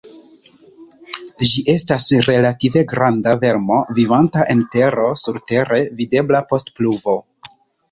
Ĝi estas relative granda vermo vivanta en tero, surtere videbla post pluvo.